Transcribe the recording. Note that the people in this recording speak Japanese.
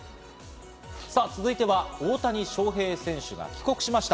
さぁ続いては大谷翔平選手が帰国しました。